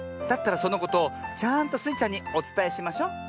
だったらそのことをちゃんとスイちゃんにおつたえしましょ。